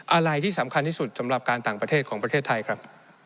อะไรที่สำคัญที่สุดสำหรับการต่างประเทศของประเทศไทยครับ